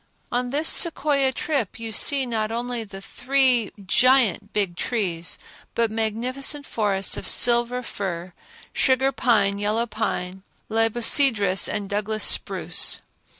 On this Sequoia trip you see not only the giant Big Trees but magnificent forests of silver fir, sugar pine, yellow pine, libocedrus and Douglas spruce.